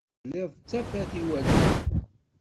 Telliḍ d tafat i wallen.